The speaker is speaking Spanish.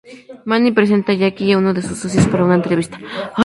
Manny presenta a Jackie a uno de sus socios para una entrevista.